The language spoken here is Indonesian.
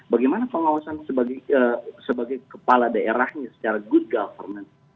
bagaimana pengawasan sebagai kepala daerahnya secara good government